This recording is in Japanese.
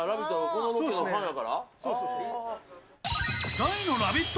大の「ラヴィット！」